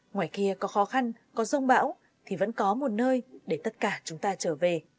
ngoài kia có khó khăn có rông bão thì vẫn có một nơi để tất cả chúng ta trở về